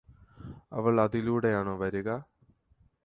അവൾ അതിലൂടെയാണോ വരുകാ